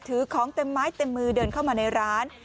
ถือของเต็มไม้เต็มมือเดินเข้ามาในร้าน